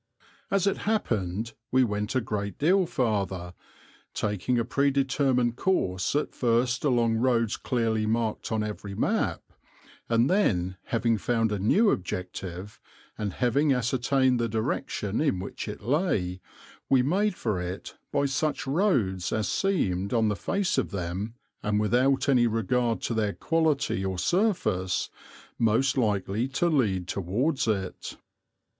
As it happened we went a great deal farther, taking a predetermined course at first along roads clearly marked on every map, and then, having found a new objective, and having ascertained the direction in which it lay, we made for it by such roads as seemed, on the face of them, and without any regard to their quality or surface, most likely to lead towards it.